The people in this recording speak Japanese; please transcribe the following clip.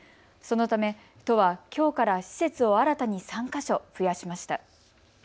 そのため都はきょうから施設を新たに３か所、増やしました。